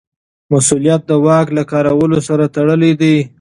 مسوولیت د واک له کارولو سره تړلی دی.